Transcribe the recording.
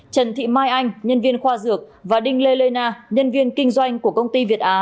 trần thị mai anh nhân viên khoa dược và đinh lê lê na nhân viên kinh doanh của công ty việt á